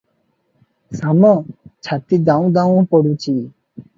ଶାମ ଛାତି ଦାଉଁ ଦାଉଁ ପଡୁଛି ।